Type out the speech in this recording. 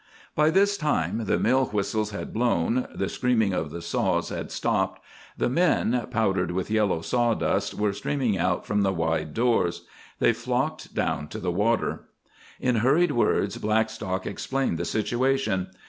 By this time the mill whistles had blown, the screaming of the saws had stopped, the men, powdered with yellow sawdust, were streaming out from the wide doors. They flocked down to the water. In hurried words Blackstock explained the situation.